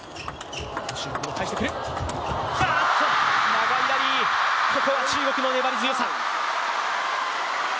長いラリー、ここは中国の粘り強さ。